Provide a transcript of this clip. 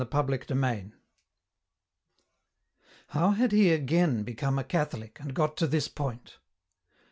CHAPTER IL How had he again become a Catholic, and got to this point